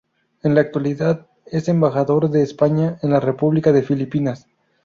En la actualidad es Embajador de España en la República de Filipinas.